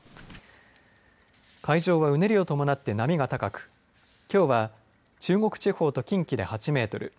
海上はうねりを伴って波が高くきょうは中国地方と近畿で８メートル